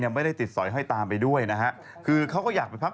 เดี๋ยวสิเดี่ยวถามฉันซิ